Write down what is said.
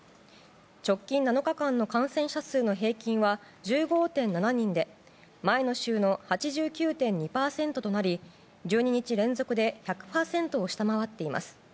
直近７日間の感染者数の平均は１５．７人で前の週の８９．２％となり１２日連続で１００％を下回っています。